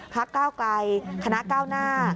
พักเก้าไกรคณะเก้าหน้า